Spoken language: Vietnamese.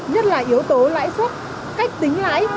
nhất là yếu tố lãi suất cách tính lãi